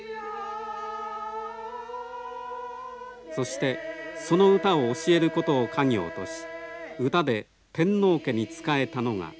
そしてその歌を教えることを家業とし歌で天皇家に仕えたのが冷泉家でした。